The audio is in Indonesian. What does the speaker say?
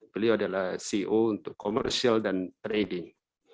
beliau adalah ceo untuk commercial dan trading